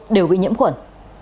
đều bị nhiễm khuẩn